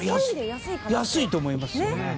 安いと思いますよ。